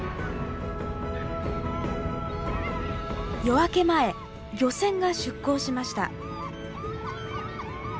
夜明け前漁船が出港しました。